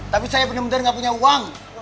tapi saya bener bener nggak punya uang